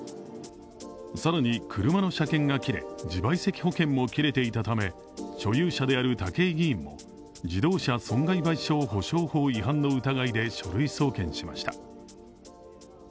更に車の車検が切れ、自賠責保険も切れていたため所有者である武井議員も自動車損害賠償保障法違反の疑いで書類送検しました。